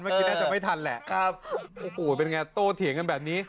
คิดน่าจะไม่ทันแหละครับโอ้โหเป็นไงโตเถียงกันแบบนี้